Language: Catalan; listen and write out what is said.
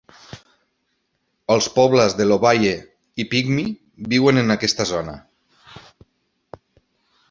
Els pobles de Lobaye i Pygmy viuen en aquesta zona.